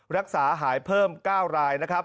รักษาหายเพิ่ม๙ราย